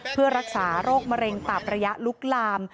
เพื่อรักษาโรคมะเร็งตับระยะลุกลาม